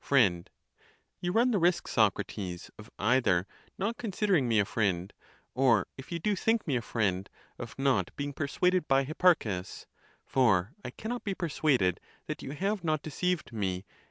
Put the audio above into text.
' [6.] Fr. You run the risk, Socrates, of either not con sidering me a friend; or, if you do think me a friend, of not being persuaded by Hipparchus : for I cannot be persuaded that you have not deceived me